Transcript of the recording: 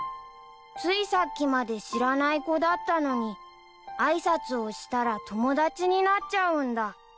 ［ついさっきまで知らない子だったのに挨拶をしたら友達になっちゃうんだ］